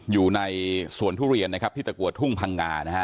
อยู่ในสวนทุเรียนนะครับที่ตะกัวทุ่งพังงานะฮะ